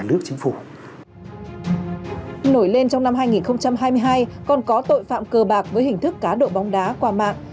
nổi lên trong năm hai nghìn hai mươi hai còn có tội phạm cơ bạc với hình thức cá độ bóng đá qua mạng